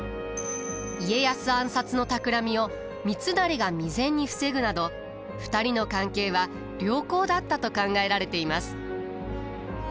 家康暗殺のたくらみを三成が未然に防ぐなど２人の関係は良好だったと考えられています。